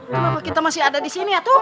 kenapa kita masih ada di sini atau